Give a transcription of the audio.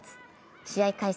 試合開始